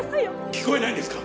聞こえないんですか？